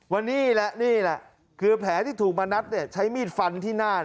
วันนี้แหละนี่แหละคือแผลที่ถูกมณัฐใช้มีดฟันที่หน้า